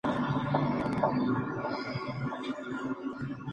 Las canciones no están cantadas por los cantantes originales.